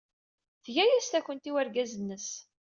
Tga-as takunt i wergaz-nnes.